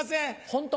ホント？